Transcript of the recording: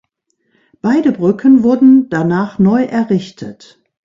Beide Brücken wurden danach neu errichtet.